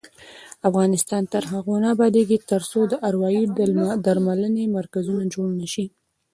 افغانستان تر هغو نه ابادیږي، ترڅو د اروايي درملنې مرکزونه جوړ نشي.